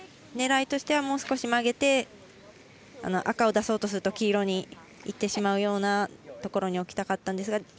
狙いとしてはもう少し曲げて赤を出そうとすると黄色にいってしまうようなところに置きたかったんですが。